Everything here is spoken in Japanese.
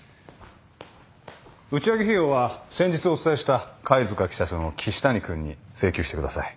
打ち上げ費用は先日お伝えした貝塚北署の岸谷君に請求してください。